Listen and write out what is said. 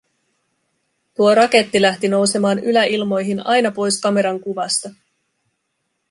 Tuo raketti lähti nousemaan yläilmoihin aina pois kameran kuvasta.